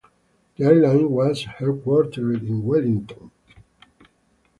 The airline was headquartered in Wellington.